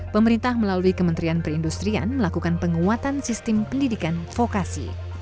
pemerintah melalui kementerian perindustrian melakukan penguatan sistem pendidikan vokasi